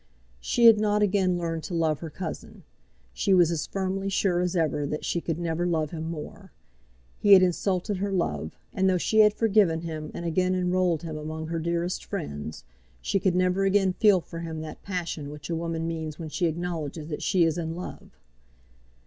She had not again learned to love her cousin. She was as firmly sure as ever that she could never love him more. He had insulted her love; and though she had forgiven him and again enrolled him among her dearest friends, she could never again feel for him that passion which a woman means when she acknowledges that she is in love.